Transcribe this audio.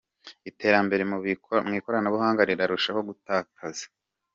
Iterambere mu by’ikoranabuhanga rirarushaho gukataza.